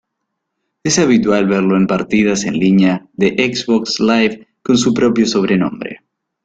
Es habitual verlo en partidas en línea de Xbox Live con su propio sobrenombre.